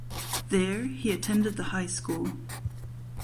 There he attended the high school.